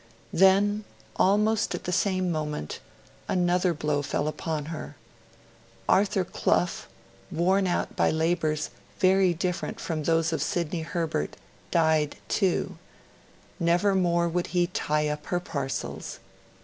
Then, almost at the same moment, another blow fell on her. Arthur Clough, worn out by labours very different from those of Sidney Herbert, died too: never more would he tie up her parcels.